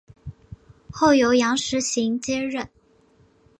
后由杨时行接任。